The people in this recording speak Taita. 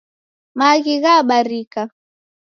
Maghi ghabarika